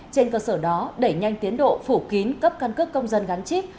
trên cơ sở đó đẩy nhanh tiến độ phủ kín cấp căn cước công dân gắn chip